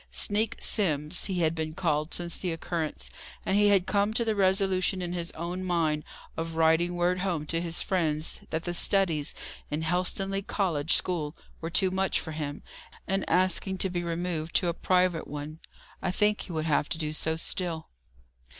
"Sneak Simms," he had been called since the occurrence: and he had come to the resolution, in his own mind, of writing word home to his friends that the studies in Helstonleigh college school were too much for him, and asking to be removed to a private one. I think he would have to do so still.